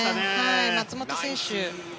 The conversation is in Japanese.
松本選手